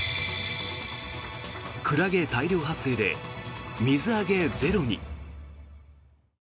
クラゲ大量発生で水揚げゼロに。